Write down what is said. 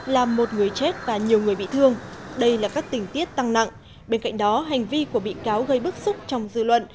làm một người chết và nhiều người bị thương đây là các tình tiết tăng nặng bên cạnh đó hành vi của bị cáo gây bức xúc trong dư luận